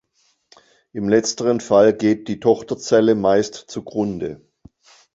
In letzterem Fall geht die Tochterzelle meist zugrunde.